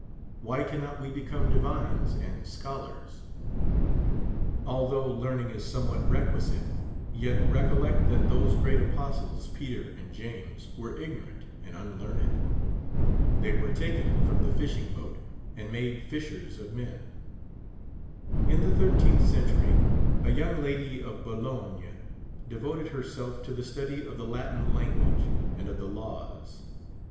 Wiiy cannot we become divines and scholars? Although learn ing is somewhat requisite, yet recollect that tliose great apostles, Peter and James, were ignorant and unlearned. They were taken from tlie fishing boat, and ma<le fishers of men. In the thirteenth century, a young lady of Bologne de voted herself to the study of the Latin language and of the laws.